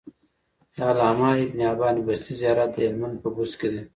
د علامه ابن حبان بستي زيارت د هلمند په بست کی